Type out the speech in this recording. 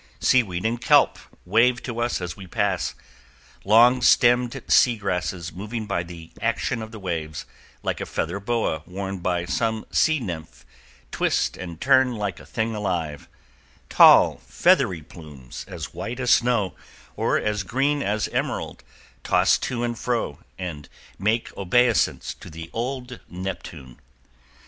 Seaweed and kelp wave to us as we pass, long stemmed sea grasses moving by the action of the waves, like a feather boa worn by some sea nymph, twist and turn like a thing alive; tall, feathery plumes, as white as snow, or as green as emerald, toss to and fro, and make obeisance to old Neptune.